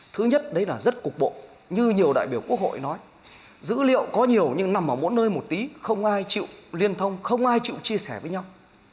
thứ nhất đấy là rất cục bộ như nhiều đại biểu quốc hội nói dữ liệu có nhiều nhưng nằm ở mỗi nơi một tí không ai chịu liên thông không ai chịu chia sẻ với nhau